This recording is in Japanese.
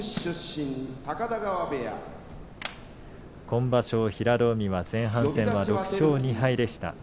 今場所、平戸海は前半戦６勝２敗でした。